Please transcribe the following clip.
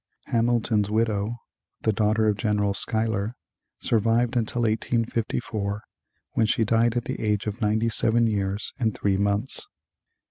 Hamilton's widow, the daughter of General Schuyler, survived until 1854, when she died at the age of ninety seven years and three months.